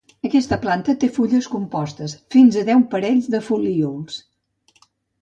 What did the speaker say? Aquesta planta té fulles compostes, fins a deu parells de folíols.